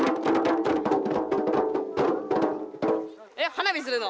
花火するの。